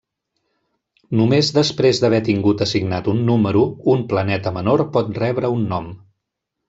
Només després d'haver tingut assignat un número un planeta menor pot rebre un nom.